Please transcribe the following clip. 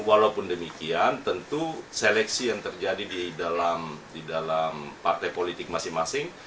walaupun demikian tentu seleksi yang terjadi di dalam partai politik masing masing